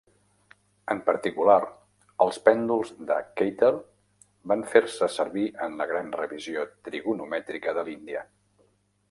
En particular, els pènduls de Kater van fer-se servir en la gran revisió trigonomètrica de l'Índia.